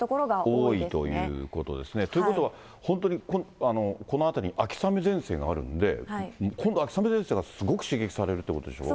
多いということですね。ということは、本当にこの辺りに秋雨前線あるんで、この秋雨前線がすごく刺激されるっていうことでしょ。